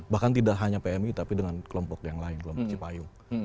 bahkan tidak hanya pmi tapi dengan kelompok yang lain kelompok cipayung